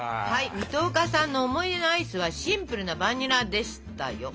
水戸岡さんの思い出のアイスはシンプルなバニラでしたよ。